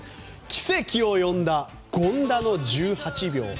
奇跡を呼んだ権田の１８秒。